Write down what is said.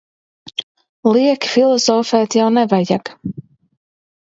Lieki filozofēt jau nevajag.